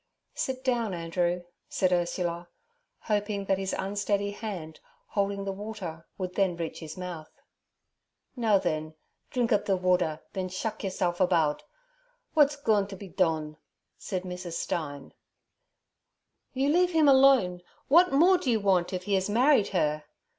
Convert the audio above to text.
'Sit down, Andrew' said Ursula, hoping that his unsteady hand, holding the water, would then reach his mouth. 'Now then, dring up ther warder, then shuck yerself aboud. Wod's goin' t' be don'?' said Mrs. Stein. 'You leave him alone. What more do you want, if he has married her?'